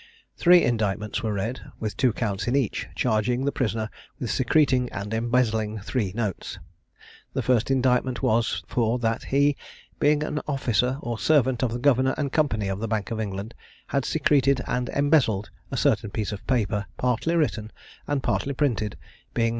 Three indictments were read, with two counts in each, charging the prisoner with secreting and embezzling three notes. The first indictment was, for that he, being an officer or servant of the Governor and Company of the Bank of England, had secreted and embezzled a certain piece of paper, partly written, and partly printed, being No.